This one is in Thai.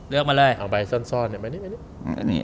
เลือกมาเลยเอาใบซ่อนเนี่ยมานี่